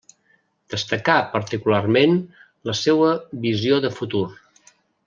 Destacà particularment la seva visió de futur.